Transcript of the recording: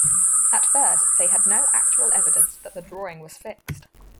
At first, they had no actual evidence that the drawing was fixed.